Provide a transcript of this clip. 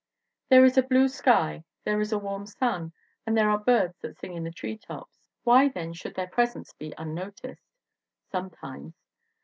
"There is a blue sky, there is a warm sun, and there are birds that sing in the treetops. Then why should their presence be unnoticed sometimes?